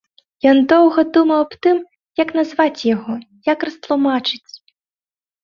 Ён доўга думаў аб тым, як назваць яго, як растлумачыць.